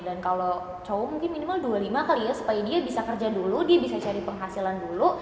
dan kalo cowok mungkin minimal dua puluh lima kali ya supaya dia bisa kerja dulu dia bisa cari penghasilan dulu